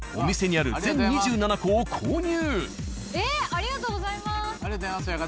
ありがとうございます親方。